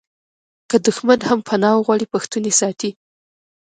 که دښمن هم پنا وغواړي پښتون یې ساتي.